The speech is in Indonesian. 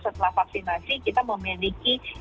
setelah vaksinasi kita memiliki